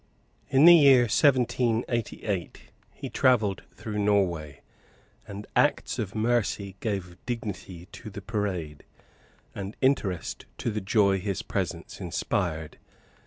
In the year 1788 he travelled through Norway; and acts of mercy gave dignity to the parade, and interest to the joy his presence inspired.